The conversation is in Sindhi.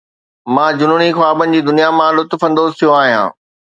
مان جنوني خوابن جي دنيا مان لطف اندوز ٿيو آهيان